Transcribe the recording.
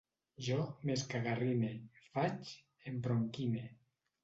Jo m'escagarrine, faig, embronquine